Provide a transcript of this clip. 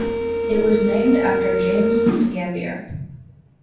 It was named after James Gambier.